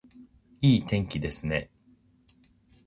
いい天気ですね